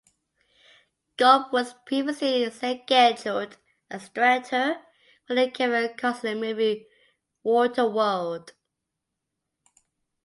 Gaup was previously scheduled as director for the Kevin Costner movie "Waterworld".